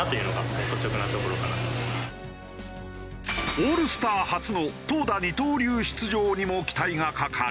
オールスター初の投打二刀流出場にも期待がかかる。